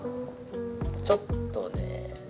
「ちょっとね」